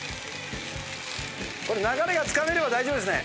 これ流れがつかめれば大丈夫ですね。